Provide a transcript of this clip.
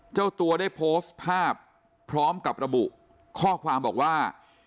เจ้าตัวได้โพสต์ภาพพร้อมกับระบุข้อความบอกว่า